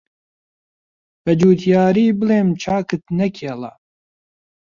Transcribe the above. بەجوتیاری بڵێم چاکت نەکێڵا